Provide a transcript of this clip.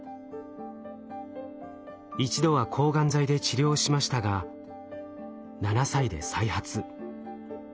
一度は抗がん剤で治療しましたが７歳で再発。